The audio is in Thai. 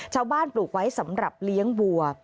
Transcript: ชาวบ้านปลูกไว้สำหรับเลี้ยงบัว